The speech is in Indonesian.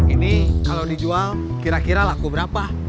ini kalau dijual kira kira laku berapa